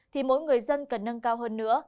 thì mỗi người dân cần nâng cao hơn nữa